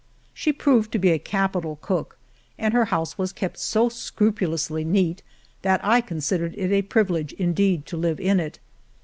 She proved to be a capital cook, and her house was kept so scrupulously neat that I considered it a privilege indeed to live in it.